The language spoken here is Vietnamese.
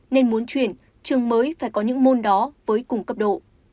nên muốn chuyển trường mới phải có những môn đó với cùng cấp độ